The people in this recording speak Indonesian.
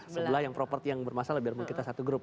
sebelah yang properti yang bermasalah biar mungkin kita satu grup